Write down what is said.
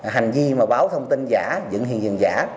hành vi mà báo thông tin giả dựng hiện trường giả